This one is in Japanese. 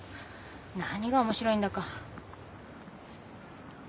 何が面白いんだか。